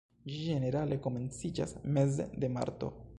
Ĝi ĝenerale komenciĝas meze de marto.